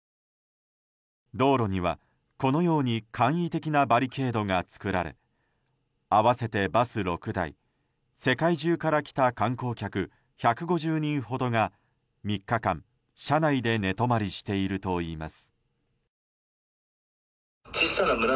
道路には、このように簡易的なバリケードが作られ合わせてバス６台世界中から来た観光客１５０人ほどが３日間、車内で寝泊まりしているといいます。